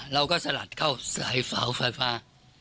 เราก็สลัดเข้าไฟฟ้า